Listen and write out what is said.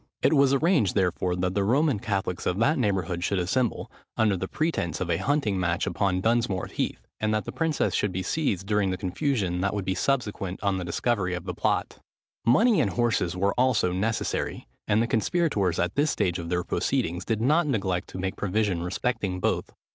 It was arranged, therefore, that the Roman Catholics of that neighbourhood should assemble, under the pretence of a hunting match upon Dunsmore Heath, and that the princess should be seized during the confusion that would be consequent on the discovery of the plot. Money and horses were also necessary: and the conspirators, at this stage of their proceedings, did not neglect to make provision respecting both.